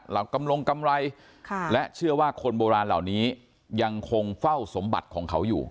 กำรงกำไรและเชื่อว่าคนโบราณเหล่านี้ยังคงเฝ้าสมบัติของเขาอยู่